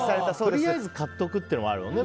とりあえず買っておくっていうのもあるしね。